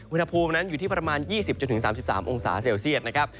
อุณหภูมินั้นอยู่ที่ประมาณ๒๐๓๓องศาเซลเซียตนะครับ